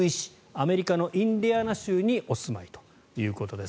アメリカのインディアナ州にお住まいということです。